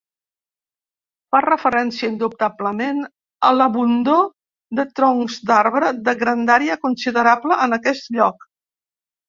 Fa referència, indubtablement, a l'abundor de troncs d'arbre de grandària considerable en aquest lloc.